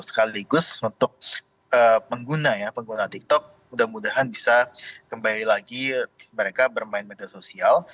sekaligus untuk pengguna ya pengguna tiktok mudah mudahan bisa kembali lagi mereka bermain media sosial